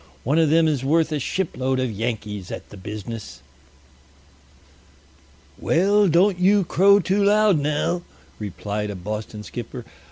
One of them is worth a shipload of Yankees at the business." "Well, don't you crow too loud now," replied a Boston skipper.